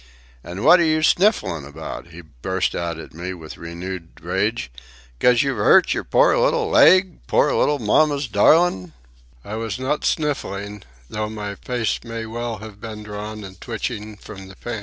"An' wot 're you snifflin' about?" he burst out at me, with renewed rage. "'Cos you've 'urt yer pore little leg, pore little mamma's darlin'." I was not sniffling, though my face might well have been drawn and twitching from the pain.